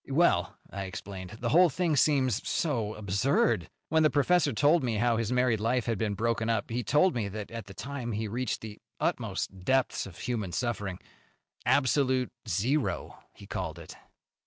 "Well," I explained, "the whole thing seems so absurd. When the professor told me how his married life had been broken up, he told me that at that time he reached the utmost depths of human suffering. Absolute zero, he called it."